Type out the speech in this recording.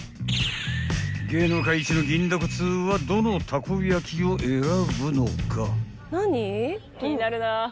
［芸能界一の銀だこ通はどのたこ焼を選ぶのか］